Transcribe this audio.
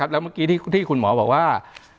แล้วเมื่อกี้ที่คุณหมอบอกว่า